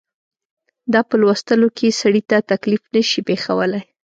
دا په لوستلو کې سړي ته تکلیف نه شي پېښولای.